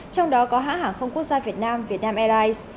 trong đó có hãng hàng không quốc gia việt nam việt nam airlines